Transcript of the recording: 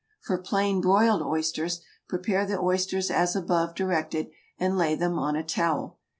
For plain broiled oysters, prepare the oysters as above directed and lay them on a towel.